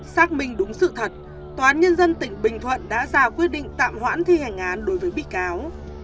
xác minh đúng sự thật tòa án nhân dân tỉnh bình thuận đã ra quyết định tạm hoãn thi hành án đối với bị cáo